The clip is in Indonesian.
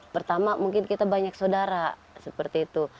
pertama mungkin kita banyak saudara seperti itu